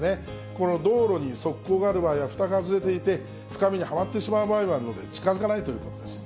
この道路に側溝がある場合はふたが外れていて、深みにはまってしまう場合もあるので近づかないということです。